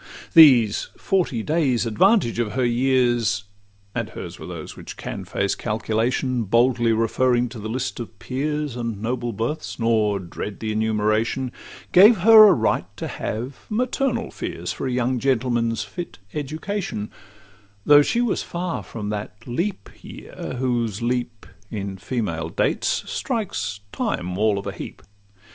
These forty days' advantage of her years— And hers were those which can face calculation, Boldly referring to the list of peers And noble births, nor dread the enumeration— Gave her a right to have maternal fears For a young gentleman's fit education, Though she was far from that leap year, whose leap, In female dates, strikes Time all of a heap.